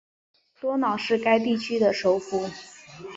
多瑙是该地区的首府。